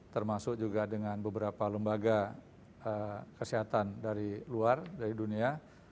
termasuk juga dengan beberapa lembaga kesehatan dari luar dari dunia